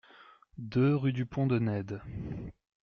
deux rue du Pont de Nedde